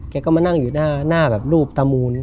แกก็มานั่งอยู่หน้าแบบรูปตามูน